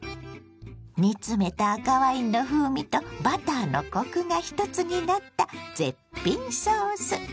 煮詰めた赤ワインの風味とバターのコクが一つになった絶品ソース。